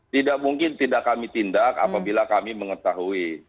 tidak mungkin tidak kami tindak apabila kami mengetahui